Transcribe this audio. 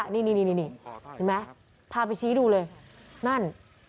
นี่พาไปชี้ดูเลยนั่น